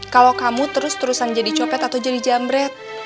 kalau kamu terus terusan jadi copet atau jadi jambret